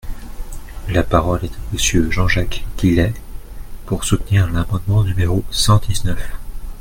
La parole est à Monsieur Jean-Jacques Guillet, pour soutenir l’amendement numéro cent dix-neuf.